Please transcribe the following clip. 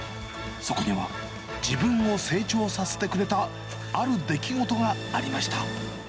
そこには、自分を成長させてくれたある出来事がありました。